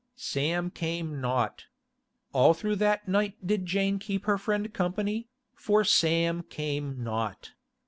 Sam came not. All through that night did Jane keep her friend company, for Sam came not.